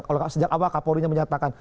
kalau sejak awal kapolri nya menyatakan